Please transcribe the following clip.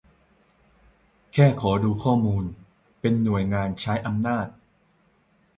แค่ขอดูข้อมูล เป็นหน่วยงานใช้อำนาจ